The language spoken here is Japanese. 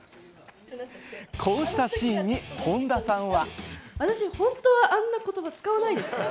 こうしたシーンに本田さんは。